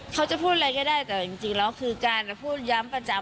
เขาจะพูดอะไรก็ได้แต่จริงแล้วคือการพูดย้ำประจำ